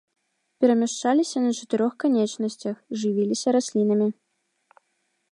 Перамяшчаліся на чатырох канечнасцях, жывіліся раслінамі.